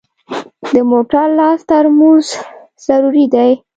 د موټر لاس ترمز ضروري دی.